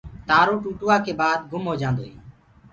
تآرو ٽوٚٽوآ ڪي بآد گُم هوجآندو هي۔